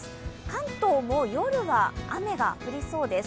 関東も夜は雨が降りそうです。